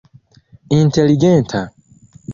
inteligenta